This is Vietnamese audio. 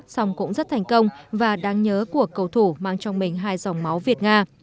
song cũng rất thành công và đáng nhớ của cầu thủ mang trong mình hai dòng máu việt nga